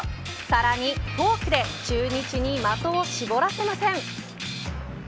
さらにフォークで、中日に的を絞らせません。